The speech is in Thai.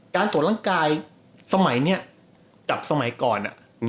การตรวจร่างกายสมัยนี้กับสมัยก่อน